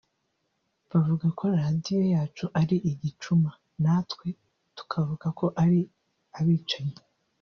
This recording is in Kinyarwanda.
bavuga ko radio yacu ari igicuma natwe tukavuga ko ari abicanyi